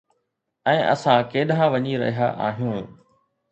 ۽ اسان ڪيڏانهن وڃي رهيا آهيون؟